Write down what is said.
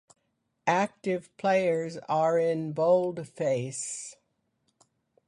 Active players are in boldface.